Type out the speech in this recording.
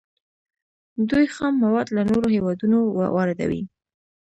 دوی خام مواد له نورو هیوادونو واردوي.